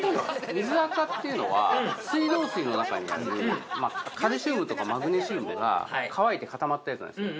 水垢っていうのは水道水の中にあるカルシウムとかマグネシウムが乾いて固まったやつなんですよ